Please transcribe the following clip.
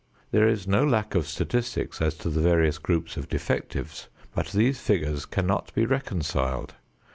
There is no lack of statistics as to the various groups of defectives, but these figures cannot be reconciled.